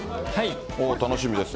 おー、楽しみです。